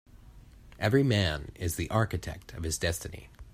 Every man is the architect of his destiny.